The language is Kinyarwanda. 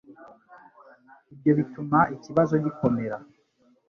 Ibyo bituma ikibazo gikomera